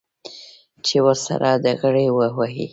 چې ورسره ډغرې ووهي.